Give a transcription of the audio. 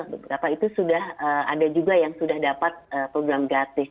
beberapa itu sudah ada juga yang sudah dapat program gratis